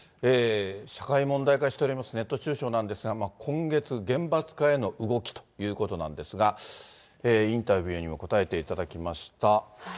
社会問題化しております、ネット中傷なんですが、今月、厳罰化への動きということなんですが、インタビューにも答えていただきました。